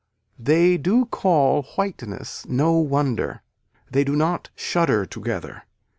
They do call whiteness no wonder. They do not shudder together.